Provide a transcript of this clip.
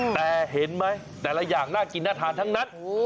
แต่เห็นไหมแต่ละอย่างน่ากินน่าทานทั้งนั้น